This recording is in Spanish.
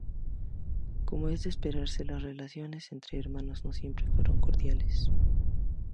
Como es de esperarse las relaciones entre hermanos no siempre fueron cordiales.